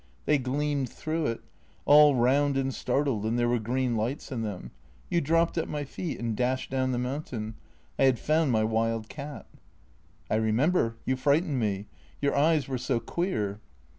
They gleamed through it, all round and startled, and there were green lights in them. You dropped at my feet and dashed down the mountain. I had found my wild cat." " I remember. You frightened me. Your eyes were so queer."